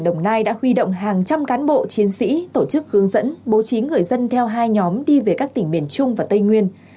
đồng nai đã huy động hàng trăm cán bộ chiến sĩ tổ chức hướng dẫn bố trí người dân theo hai nhóm đi về các tỉnh miền trung và tây nguyên